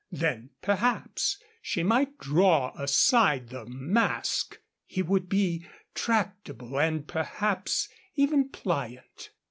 Then, perhaps, she might draw aside the mask. He would be tractable and perhaps even pliant.